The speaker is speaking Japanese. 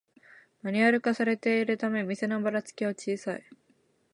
マニュアル化されているため店のバラつきは小さい